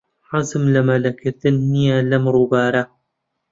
حەزم لە مەلەکردن نییە لەم ڕووبارە.